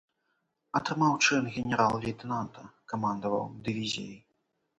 Атрымаў чын генерал-лейтэнанта, камандаваў дывізіяй.